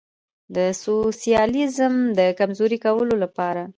د سوسیالیزم د کمزوري کولو لپاره.